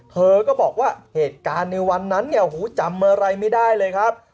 เธอก็บอกว่าเหตุการณ์ในวันนั้นเนี่ยหูจำอะไรไม่ได้เลยครับ